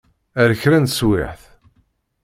Ar kra n teswiɛt.